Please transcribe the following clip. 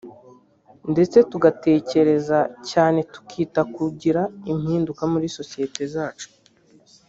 ndetse tugatekereza cyane tukita mu kugira impinduka muri sosiyete zacu